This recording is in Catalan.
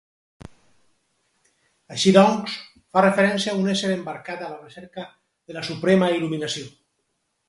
Així doncs, fa referència a un ésser embarcat a la recerca de la suprema il·luminació.